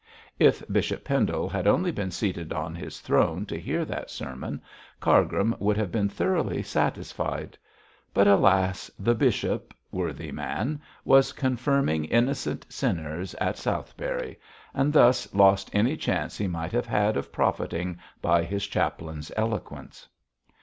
If Bishop Pendle had only been seated on his throne to hear that sermon, Cargrim would have been thoroughly satisfied. But, alas! the bishop worthy man was confirming innocent sinners at Southberry, and thus lost any chance he might have had of profiting by his chaplain's eloquence.